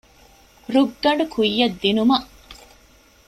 ރުއްގަނޑު ކުއްޔަށް ދިނުމަށް